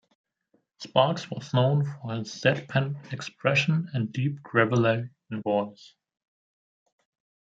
Sparks was known for his deadpan expression and deep, gravelly voice.